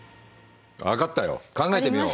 分かったよ考えてみよう。